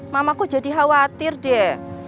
mamah kok jadi khawatir deh